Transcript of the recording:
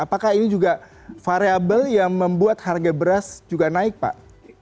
apakah ini juga variable yang membuat harga beras juga naik pak